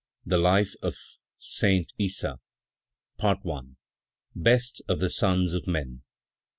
The Life of Saint Issa "Best of the Sons of Men."